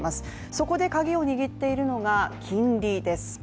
そこでカギを握っているのが金利です。